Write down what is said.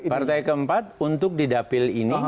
partai keempat untuk di dapil ini